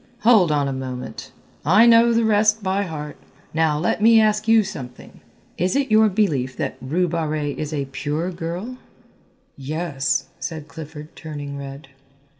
"Hold on a moment, I know the rest by heart. Now let me ask you something. Is it your belief that Rue Barrée is a pure girl?" "Yes," said Clifford, turning red.